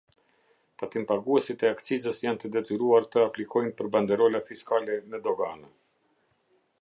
Tatimpaguesit e akcizës janë të detyruar të aplikojnë për banderola fiskale në Doganë.